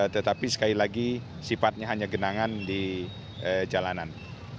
tetapi sekali lagi sifatnya hanya genangan di jalanan